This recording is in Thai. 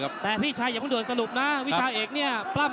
กระทุกเขาแล้วนดวงทรวชรับหนักเลยครับ